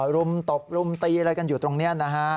รุมตบรุมตีอะไรอยู่ตรงนี้